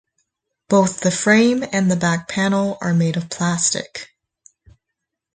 Both the frame and the back panel are made of plastic.